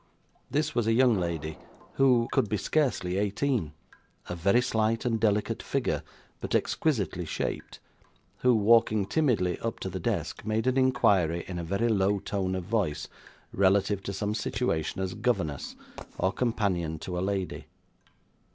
This was a young lady who could be scarcely eighteen, of very slight and delicate figure, but exquisitely shaped, who, walking timidly up to the desk, made an inquiry, in a very low tone of voice, relative to some situation as governess, or companion to a lady.